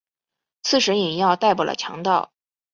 刺史尹耀逮捕了强盗。